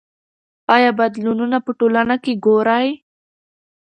آیا بدلونونه په ټولنه کې ګورئ؟